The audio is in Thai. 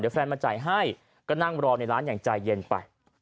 แฟนมาจ่ายให้ก็นั่งรอในร้านอย่างใจเย็นไป